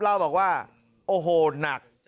เล่าบอกว่าโอ้โหหนัก